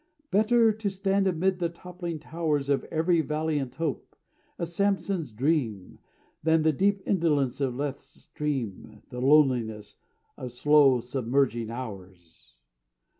Better to stand amid the toppling towers Of every valiant hope; a Samson's dream, Than the deep indolence of Lethe's stream, The loneliness of slow submerging hours.